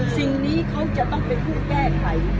สิ่งนี้เขาจะต้องเป็นผู้แก้ไข